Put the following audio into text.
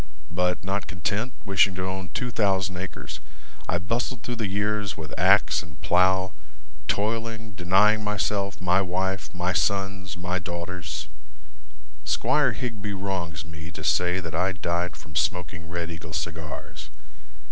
But not content, Wishing to own two thousand acres, I bustled through the years with axe and plow, Toiling, denying myself, my wife, my sons, my daughters. Squire Higbee wrongs me to say That I died from smoking Red Eagle cigars.